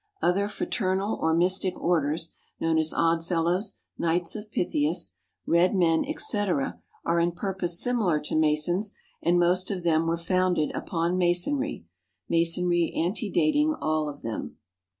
Other fraternal or mystic orders, known as Odd Fellows, Knights of Pythias, Red Men, etc., are in purpose similar to Masons, and most of them were founded upon Masonry, Masonry ante dating all of them.